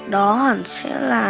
đó hẳn sẽ là